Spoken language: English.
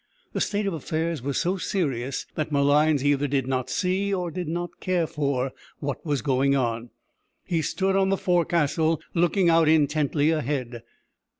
The state of affairs was so serious that Malines either did not see, or did not care for, what was going on. He stood on the forecastle looking out intently ahead.